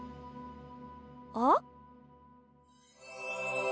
あっ？